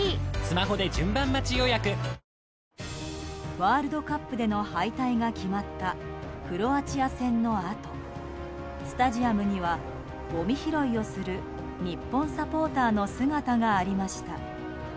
ワールドカップでの敗退が決まったクロアチア戦のあとスタジアムには、ごみ拾いをする日本サポーターの姿がありました。